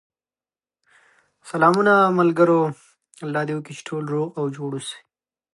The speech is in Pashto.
وګړي د افغانستان د طبیعي زیرمو یوه ډېره مهمه برخه ده.